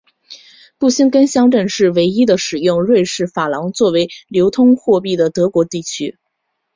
布辛根乡镇是唯一的使用瑞士法郎作为流通货币的德国地区。